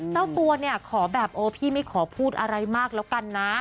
เจ้าตัวขอแบบพี่ไม่ขอพูดอะไรมากแล้วกันนะ